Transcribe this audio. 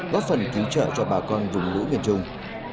góp phần cứu trợ cho bà con vùng lũ miền trung